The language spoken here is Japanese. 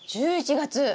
１１月。